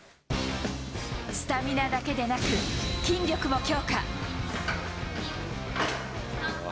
スタミナだけでなく、筋力も強化。